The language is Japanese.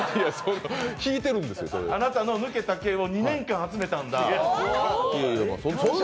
あなたの抜けた毛を２年間集めたんだ。